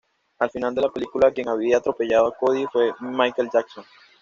Al final de la película quien había atropellado a Cody fue Michael Jackson.